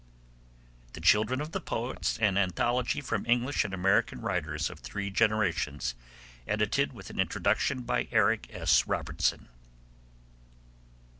The Children of the Poets: An Anthology from English and American Writers of Three Generations. Edited, with an Introduction, by Eric S. Robertson.